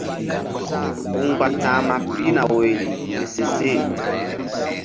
Ku mgba ta̧hma pihna woyri ke seseh.